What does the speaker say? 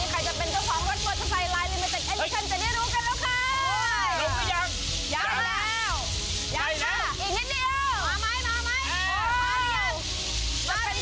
กาลาเบาแดงขวดละ๑๐บาทลุกขวาได้รู้ชาติกว่า๑๐บาทก็ได้รู้รถมอเตอร์ไซค์ได้